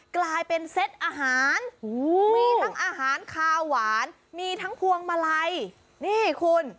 กลายเป็นเซตอาหารมีทั้งอาหารคาวหวานมีทั้งพวงมาลัยนี่คุณ